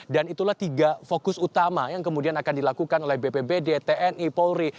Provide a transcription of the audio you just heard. dan itulah tiga fokus utama yang kemudian akan dilakukan oleh bpbd tni polri